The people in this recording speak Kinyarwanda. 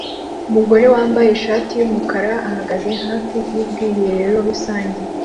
Umugore wambaye ishati yumukara ahagaze hafi yubwiherero rusange